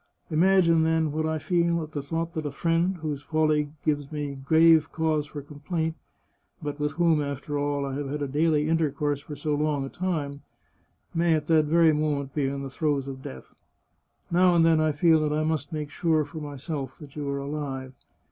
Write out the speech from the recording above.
Im agine, then, what I feel at the thought that a friend, whose folly g^ves me grave cause for complaint, but with whom, after all, I have had daily intercourse for so long a time, may at that very moment be in the throes of death. Now and then I feel that I must make sure for myself that you are alive.